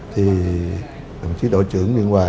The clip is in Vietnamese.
thì đồng chí đội trưởng biên hòa